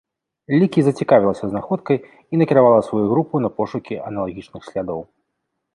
Лікі зацікавілася знаходкай і накіравала сваю групу на пошукі аналагічных слядоў.